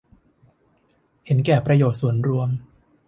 เห็นแก่ประโยชน์ส่วนรวม